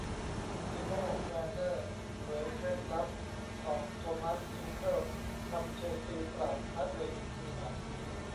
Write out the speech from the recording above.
ติโม่ แวร์เนอร์ เผยเคล็ดลับของ โทมัส ทูเคิ่ล ทำ เชลซี ปราบ มาดริด อยู่หมัด